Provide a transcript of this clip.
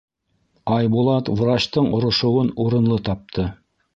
Айбулат врачтың орошоуын урынлы тапты.